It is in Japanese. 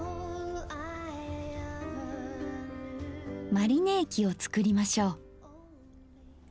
マリネ液を作りましょう。